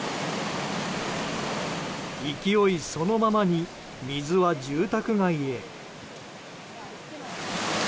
勢いそのままに水は住宅街へ。